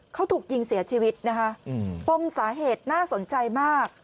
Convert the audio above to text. เขาถูกยิงเสียชีวิตนะคะปมสาเหตุน่าสนใจมาก